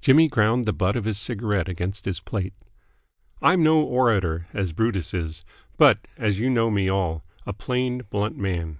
Jimmy ground the butt of his cigarette against his plate. "I'm no orator, as Brutus is; but, as you know me all, a plain, blunt man.